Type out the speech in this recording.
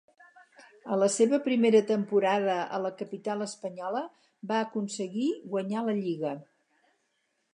A la seva primera temporada a la capital espanyola va aconseguir guanyar la Lliga.